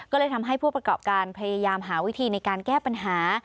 ก็เลยทำให้ผู้ประกอบการพยายามหาวิธีในการแก้ปัญหา